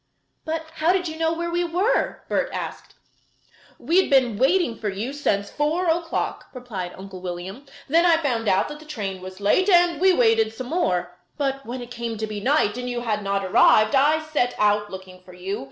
"But how did you know where we were?" Bert asked. "We had been waiting for you since four o'clock," replied Uncle William. "Then I found out that the train was late, and we waited some more. But when it came to be night and you had not arrived, I set out looking for you.